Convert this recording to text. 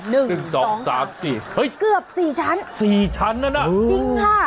หนึ่งสองสามสี่เกือบสี่ชั้นสี่ชั้นนั่นนะจริงค่ะ